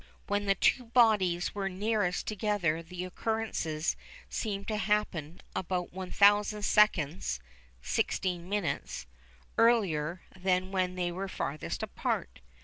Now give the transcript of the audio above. When the two bodies were nearest together the occurrences seemed to happen about 1000 seconds (16 minutes) earlier than when they were farthest apart.